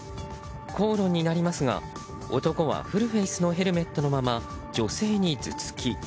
口論になりますが、男はフルフェースのヘルメットのまま女性に頭突き。